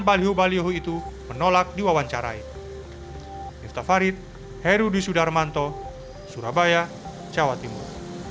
balio balio itu menolak diwawancarai yuta farid heru di sudarmanto surabaya jawa timur